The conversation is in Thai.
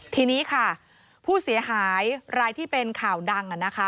ทีนี้ค่ะผู้เสียหายรายที่เป็นข่าวดังนะคะ